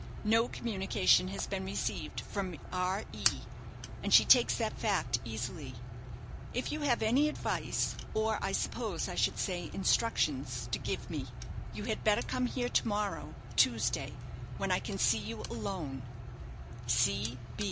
No communication has been received from R. E., and she takes the fact easily. If you have any advice, or I suppose I should say instructions, to give me, you had better come here to morrow (Tuesday), when I can see you alone.